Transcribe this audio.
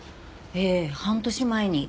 ええ半年前に。